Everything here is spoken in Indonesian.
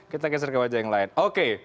kita geser ke wajah yang lain oke